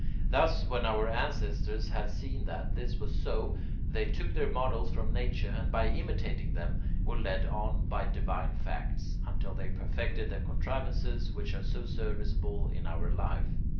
Thus, when our ancestors had seen that this was so, they took their models from nature, and by imitating them were led on by divine facts, until they perfected the contrivances which are so serviceable in our life.